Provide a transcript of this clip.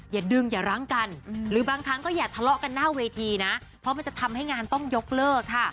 อย่าดึงอย่ารั้งกันหรือบางครั้งก็อย่าทะเลาะกันหน้าเวทีนะเพราะมันจะทำให้งานต้องยกเลิกค่ะ